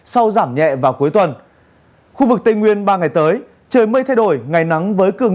sau giảm nhẹ vào cuối tuần khu vực tây nguyên ba ngày tới trời mây thay đổi ngày nắng với cường